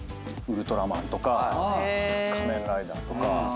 ウルトラマンとか仮面ライダーとかポケモンとか。